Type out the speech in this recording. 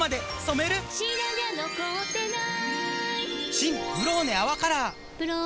新「ブローネ泡カラー」「ブローネ」